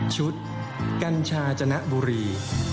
ชุดกัญชาจณะบุรี